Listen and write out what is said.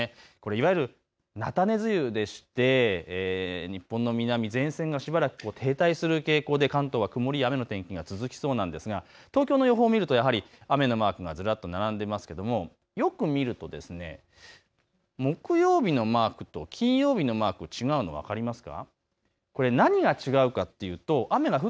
これ、いわゆる菜種梅雨でして日本の南、前線がしばらく停滞する傾向で関東は曇り、雨の天気が続きそうなんですが東京の予報を見ると雨のマークがずらっと並んでますけどもよくみると木曜日のマークと金曜日のマーク、違うの分かりますか。